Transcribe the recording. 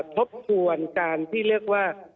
ทบทวนการที่เรียกว่า